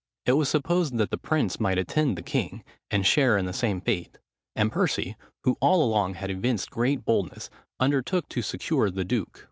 It was supposed that the prince might attend the king, and share in the same fate: and Percy, who all along had evinced great boldness, undertook to secure the duke.